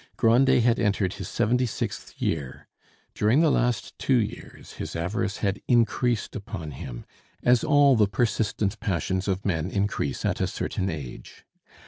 Grandet had entered his seventy sixth year. During the last two years his avarice had increased upon him, as all the persistent passions of men increase at a certain age.